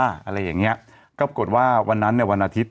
อะไรอย่างเงี้ยก็ปรากฏว่าวันนั้นเนี่ยวันอาทิตย